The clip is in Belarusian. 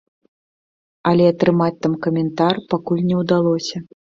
Але атрымаць там каментар пакуль не ўдалося.